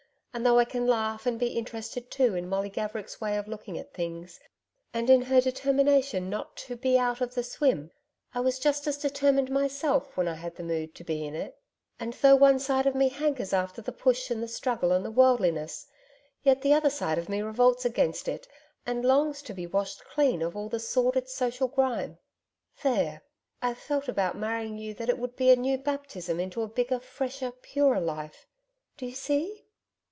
And though I can laugh, and be interested, too, in Molly Gaverick's way of looking at things, and in her determination not "to be out of the swim" I was just as determined myself, when I had the mood to be in it and though one side of me hankers after the push and the struggle and the worldliness yet the other side of me revolts against it, and longs to be washed clean of all the sordid social grime. There! I've felt about marrying you that it would be a new baptism into a bigger, fresher, purer life do you see?'